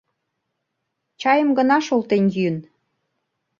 Чайым гына шолтен йӱын.